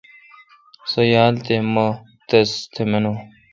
سو یال تھ مہ تس تہ مینو۔